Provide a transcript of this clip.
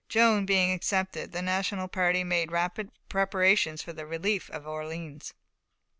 Joan, being accepted, the National party made rapid preparations for the relief of Orleans.